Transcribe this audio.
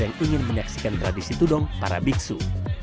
yang ingin menyaksikan tradisi tudong para biksu